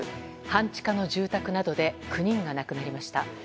半地下の住宅などで９人が亡くなりました。